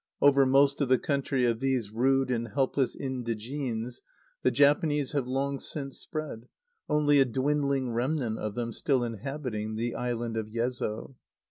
Over most of the country of these rude and helpless indigenes the Japanese have long since spread, only a dwindling remnant of them still inhabiting the island of Yezo.